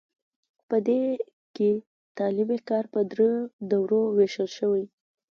په دې کې تعلیمي کار په دریو دورو ویشل شوی.